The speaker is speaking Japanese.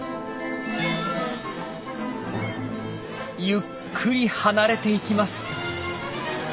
ゆっくり離れていきます。